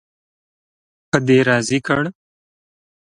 په دې راضي کړ.